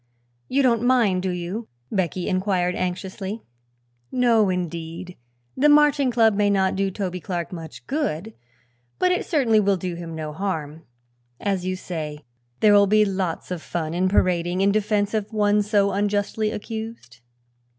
"You don't mind, do you?" Becky inquired anxiously. "No, indeed. The Marching Club may not do Toby Clark much good, but it certainly will do him no harm. As you say, there will be lots of fun in parading in defense of one so unjustly accused."